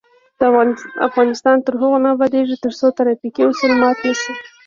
افغانستان تر هغو نه ابادیږي، ترڅو ترافیکي اصول مات نشي.